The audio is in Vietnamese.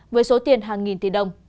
với số tiền hàng nghìn tỷ đồng